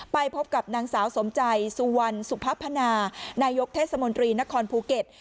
ไปพบกับนางสาวสมใจสุวรรณสุพพนานายกเทศมนตรีนครภูเก็ต